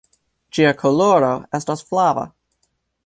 Ĝia koloro estas flava.